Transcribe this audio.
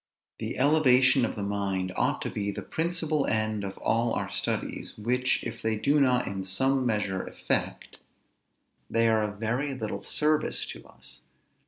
The elevation of the mind ought to be the principal end of all our studies; which, if they do not in some measure effect, they are of very little service to us.